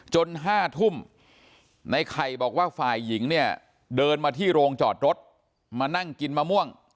จนห้าทุ่มนายไข่บอกว่าฝ่ายหญิงเดินมาที่โรงจอดรถมานั่งกินมะม่วง